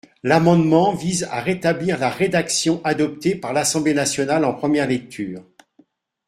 L’amendement vise à rétablir la rédaction adoptée par l’Assemblée nationale en première lecture.